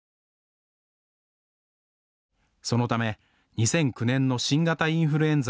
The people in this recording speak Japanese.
そのため２００９年の新型インフルエンザ